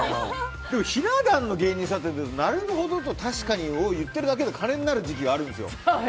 でもひな壇の芸人さんってなるほどと確かにを言ってるだけで金になる時期があるんですよ。